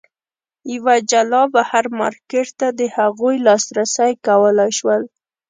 یوه جلا بهر مارکېټ ته د هغوی لاسرسی کولای شول.